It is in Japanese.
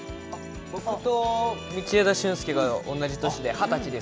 僕と道枝駿佑が同じ年で、２０歳です。